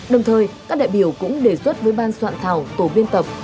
đồng thời các đại biểu cũng đề xuất với ban soạn thảo tổ biên tập